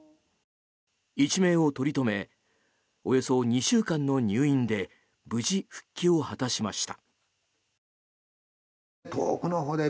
一命を取り留めおよそ２週間の入院で無事、復帰を果たしました。